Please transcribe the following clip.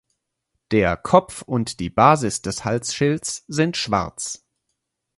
Der Kopf und die Basis des Halsschilds sind schwarz.